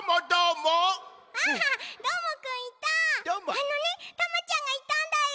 あのねタマちゃんがいたんだよ。